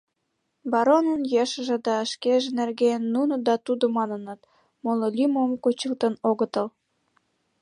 Баронын ешыже да шкеже нерген «нуно» да «тудо» маныныт, моло лӱмым кучылтын огытыл.